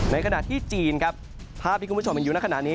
ในขณะที่จีนภาพที่คุณผู้ชมมีอยู่ในขณะนี้